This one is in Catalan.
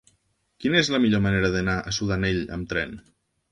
Quina és la millor manera d'anar a Sudanell amb tren?